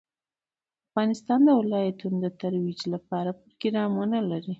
افغانستان د ولایتونو د ترویج لپاره پروګرامونه لري.